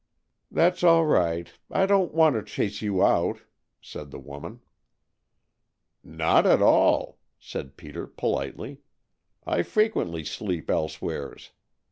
"That's all right. I don't want to chase you out," said the woman. "Not at all," said Peter politely. "I frequently sleep elsewheres.